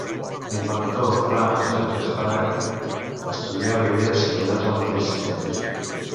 L'inventor Frank J. Sprague estudiava idees similars al mateix temps.